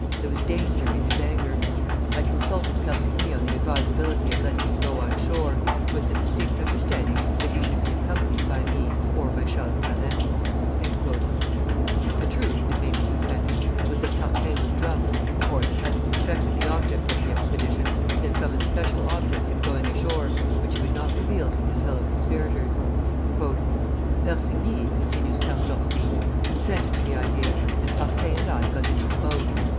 There was danger in his anger. I consulted Persigny on the advisability of letting him go on shore, with the distinct understanding that he should be accompanied by me or by Charles Thélin." The truth, it may be suspected, was that Parquin was drunk, or that, having suspected the object of the expedition, he had some especial object in going ashore, which he would not reveal to his fellow conspirators. "Persigny," continues Count Orsi, "consented to the idea, and Parquin and I got into the boat.